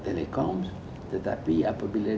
telekom tetapi apabila